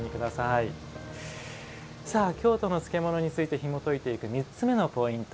京都の漬物についてひもといていく３つ目のポイント